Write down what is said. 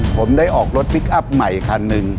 ผมได้ออกรถพลิกอัพใหม่คันหนึ่ง